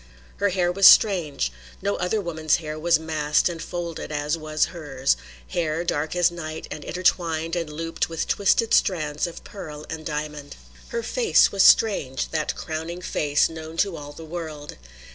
Her hair was strange; no other woman's hair was massed and folded as was hers, hair dark as night and intertwined and looped with twisted strands of pearl and diamond. Her face was strange, that crowning face, known to all the world.